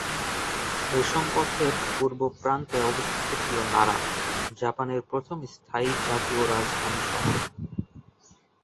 রেশম পথের পূর্ব প্রান্তে অবস্থিত ছিল নারা, জাপানের প্রথম স্থায়ী জাতীয় রাজধানী শহর।